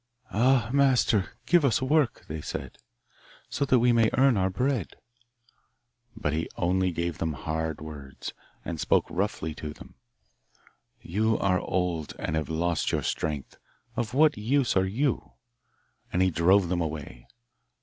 'Ah, master, give us work,' they said, 'so that we may earn our bread.' But he only gave them hard words, and spoke roughly to them. 'You are old, and have lost your strength; of what use are you?' And he drove them away.